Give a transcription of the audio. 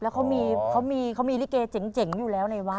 แล้วเขามีลิเก๋งอยู่แล้วในวัด